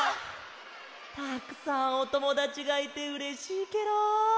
たくさんおともだちがいてうれしいケロ！